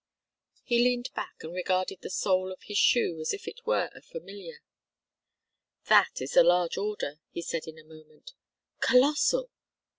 He leaned back and regarded the sole of his shoe as if it were a familiar. "That is a large order," he said, in a moment. "Colossal!